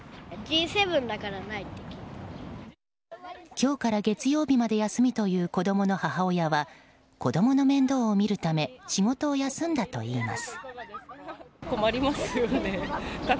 今日から月曜日まで休みという子供の母親は子供の面倒を見るため仕事を休んだといいます。